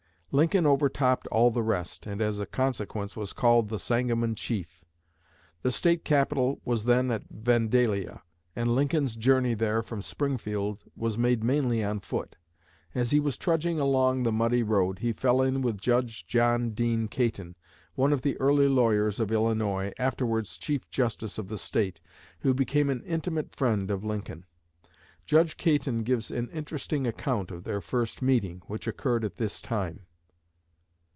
Lincoln overtopped all the rest, and as a consequence was called "the Sangamon Chief." The State capital was then at Vandalia; and Lincoln's journey there from Springfield was made mainly on foot. As he was trudging along the muddy road, he fell in with Judge John Dean Caton, one of the early lawyers of Illinois, afterwards Chief Justice of the State, who became an intimate friend of Lincoln. Judge Caton gives an interesting account of their first meeting, which occurred at this time.